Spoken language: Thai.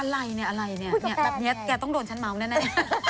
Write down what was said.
อะไรเนี่ยอะไรเนี่ยแบบนี้แกต้องโดนฉันเมาส์แน่